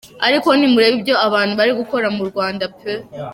Ariko nimurebe ibyo abantu bari gukora mu Rwanda peuh!